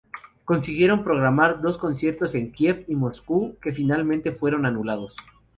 Consiguieron programar dos conciertos en Kiev y Moscú, que finalmente fueron anulados.